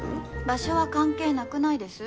場所は関係なくないです？